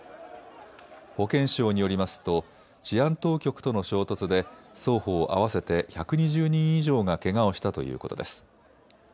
保健省によりますと治安当局との衝突で双方合わせて１２０人以上がけがをしたということです。